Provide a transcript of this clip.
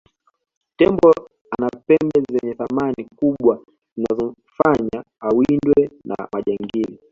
tembo ana pembe zenye thamani kubwa zinazofanya awindwe na majangili